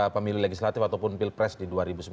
pemilih legislatif ataupun pilpres di dua ribu sembilan belas